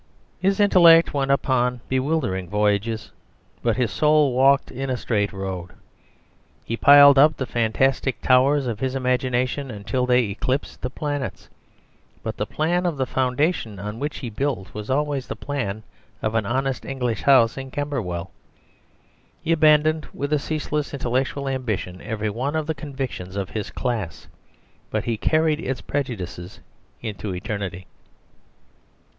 His intellect went upon bewildering voyages, but his soul walked in a straight road. He piled up the fantastic towers of his imagination until they eclipsed the planets; but the plan of the foundation on which he built was always the plan of an honest English house in Camberwell. He abandoned, with a ceaseless intellectual ambition, every one of the convictions of his class; but he carried its prejudices into eternity.